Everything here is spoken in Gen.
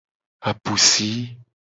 Apusi.